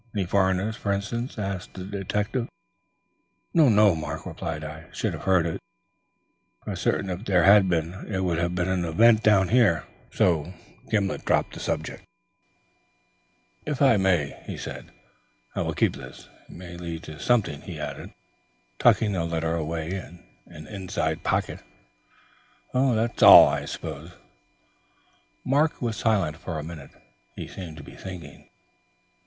Any foreigner, for instance?" asked the detective. "No; no," Mark replied. "I should have heard of it for certain if there had been. It would have been an event, down here." Gimblet dropped the subject. "If I may," he said. "I will keep this. It may lead to something," he added, tucking the letter away in an inside pocket. "That's all, I suppose?" Mark was silent for a minute. He seemed to be thinking.